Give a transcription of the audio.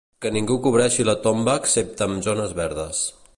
Que ningú cobreixi la tomba excepte amb zones verdes.